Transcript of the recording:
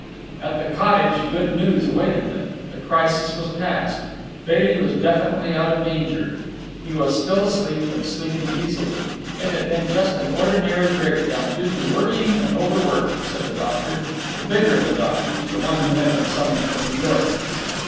At the cottage good news awaited them. The crisis was past. Bailey was definitely out of danger. He was still asleep, and sleeping easily. It had just been an ordinary breakdown, due to worrying and overwork, said the doctor, the bigger of the doctors, the one who had been summoned from New York.